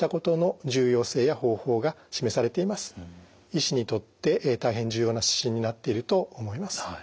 医師にとって大変重要な指針になっていると思います。